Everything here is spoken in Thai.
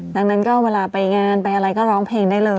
ดังนั้นก็เวลาไปงานไปอะไรก็ร้องเพลงได้เลย